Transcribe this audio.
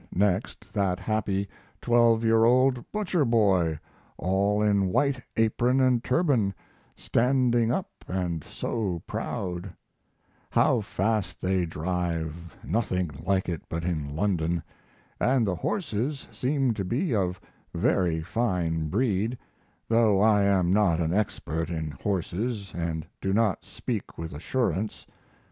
Next that happy 12 year old butcher boy, all in white apron and turban, standing up & so proud! How fast they drive nothing like it but in London. And the horses seem to be of very fine breed, though I am not an expert in horses & do not speak with assurance.